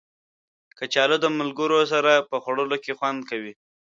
کچالو د ملګرو سره په خوړلو کې خوند کوي